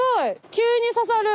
急にささる。